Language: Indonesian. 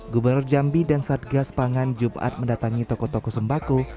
gubernur jambi dan satgas pangan jumat mendatangi toko toko sembako